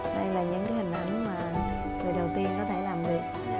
đây là những hình ảnh mà người đầu tiên có thể làm được